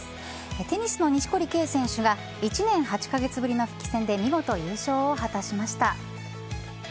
テニスの錦織圭選手が、１年８か月ぶりの復帰戦で見事優勝を果たしました。